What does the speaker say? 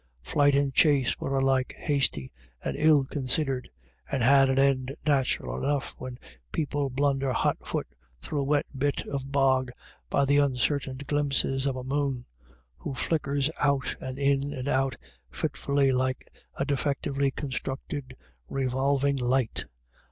Flight and^jhase were alike hasty and ill con sidered, and had an end natural enough when people blunder hot foot through a wet bit of bog by the uncertain glimpses of a moon, who flickers out and in and out fitfully, like a defectively con structed revolving light.